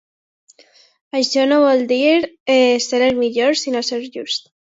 Això no vol dir ser el millor, sinó ser just.